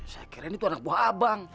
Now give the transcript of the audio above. saya kira ini tuh anak buah abang